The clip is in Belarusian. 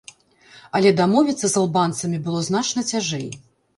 Але дамовіцца з албанцамі было значна цяжэй.